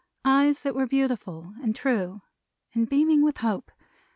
Eyes that were beautiful and true, and beaming with Hope.